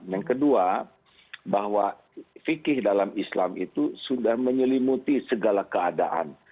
yang kedua bahwa fikih dalam islam itu sudah menyelimuti segala keadaan